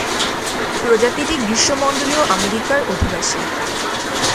প্রজাতিটি গ্রীষ্মমন্ডলীয় আমেরিকার অধিবাসী।